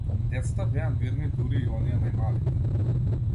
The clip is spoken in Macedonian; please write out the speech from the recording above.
Децата беа мирни, дури и оние најмалите.